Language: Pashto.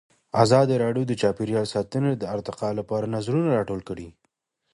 ازادي راډیو د چاپیریال ساتنه د ارتقا لپاره نظرونه راټول کړي.